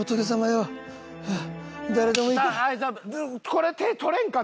これ手取れんか？